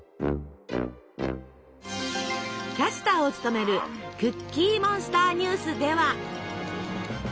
キャスターを務める「クッキーモンスターニュース」では。